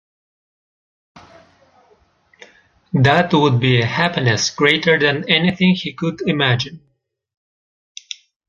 That would be a happiness greater than anything he could imagine.